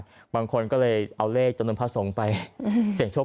ถึงต่อครั้งคนก็เลยเอาเลขจำนวนเพราะสงค์ไปเสี่ยงโชค